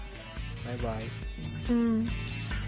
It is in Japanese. バイバイ。